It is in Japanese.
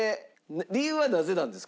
理由はなぜなんですか？